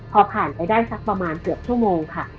พอผ่านไปได้สักประมาณเกือบชั่วโมงค่ะ